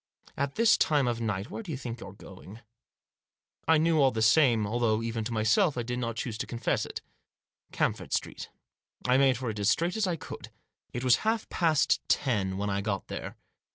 At this time of night, where do you think you're going ?" I knew all the time, although even to myself I did not choose to confess it — Camford Street. I made for it as straight as I could. It was past half past ten when I got there.